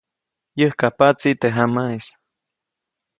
Yäjkajpaʼtsi teʼ jamaʼis.